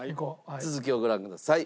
続きをご覧ください。